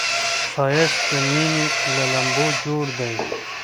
ښایست د مینې له لمبو جوړ دی